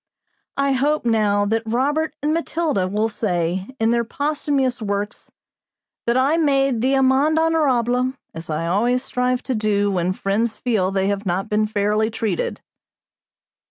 I hope, now, that Robert and Matilda will say, in their posthumous works, that I made the amende honorable, as I always strive to do when friends feel they have not been fairly treated.